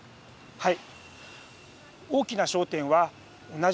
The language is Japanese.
はい。